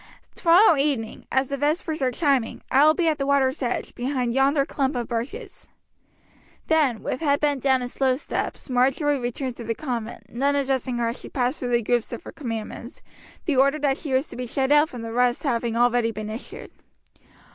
Tomorrow evening, as the vespers are chiming, I will be at the water's edge, behind yonder clump of bushes." Then, with head bent down and slow steps, Marjory returned to the convent, none addressing her as she passed through the groups of her companions, the order that she was to be shut out from the rest having been already issued.